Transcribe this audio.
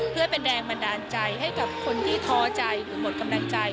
เพื่อเป็นแรงบันดาลใจให้กับคนที่ท้อใจหรือหมดกำลังใจ